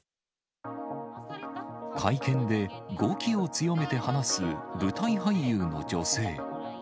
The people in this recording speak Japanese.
会見で、語気を強めて話す舞台俳優の女性。